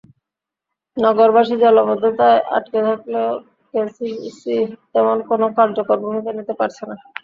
নগরবাসী জলাবদ্ধতায় আটকে থাকলেও কেসিসি তেমন কোনো কার্যকর ভূমিকা নিতে পারছে না।